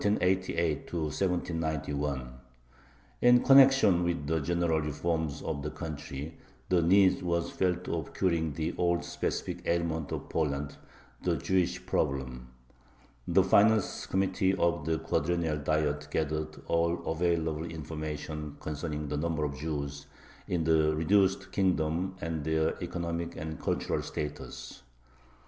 In connection with the general reforms of the country the need was felt of curing the old specific ailment of Poland, the Jewish Problem. The finance committee of the Quadrennial Diet gathered all available information concerning the number of Jews in the reduced kingdom and their economic and cultural status.